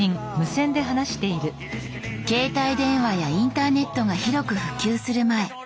携帯電話やインターネットが広く普及する前。